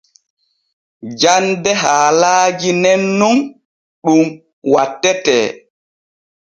Jande haalaaji nen nun ɗun mantetee.